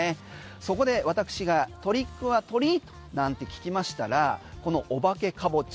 そこで私がトリック・オア・トリートなんて聞きましたらこのお化けカボチャ